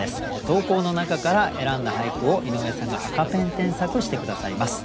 投稿の中から選んだ俳句を井上さんが赤ペン添削して下さいます。